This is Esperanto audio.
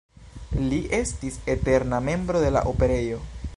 Li estis eterna membro de la Operejo.